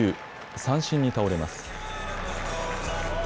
三振に倒れます。